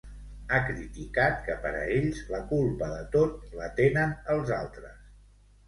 Ha criticat que per a ells la culpa de tot la tenen els altres.